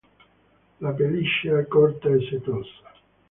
La pelliccia è corta e setosa.